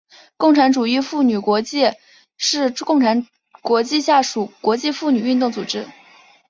共产主义妇女国际是共产国际下属的国际妇女运动组织。